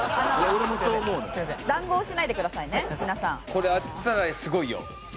これ当てたらすごいよ。